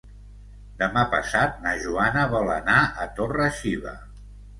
Demà passat na Joana vol anar a Torre-xiva.